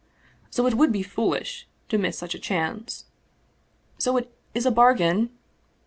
So it would be foolish to miss such a chance. So it is a bar gain